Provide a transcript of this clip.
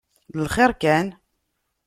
D lxiṛ kan?